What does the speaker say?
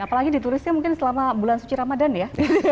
apalagi ditulisnya mungkin selama bulan suci ramadan ya